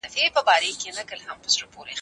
ټولنیز ژوند په ډېر دقت سره څېړل کیږي.